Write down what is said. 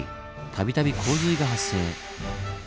度々洪水が発生。